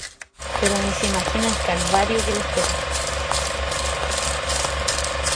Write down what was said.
Pero ni se imagina el calvario que le espera.